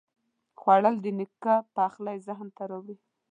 خوړل د نیکه پخلی ذهن ته راوړي